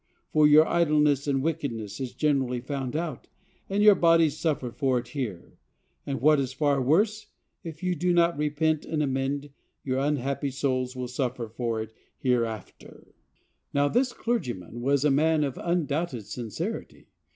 For your idleness and wickedness is generally found out, and your bodies suffer for it here; and, what is far worse, if you do not repent and amend, your unhappy souls will suffer for it hereafter. Now, this clergyman was a man of undoubted sincerity.